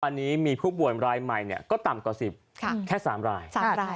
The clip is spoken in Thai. อันนี้มีผู้บ่วนรายใหม่เนี่ยก็ต่ำกว่าสิบค่ะแค่สามรายสามราย